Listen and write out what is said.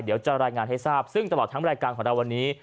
เดี๋ยวจะรายงานให้ทราบซึ่งตลอดทั้งรายการของเราวันนี้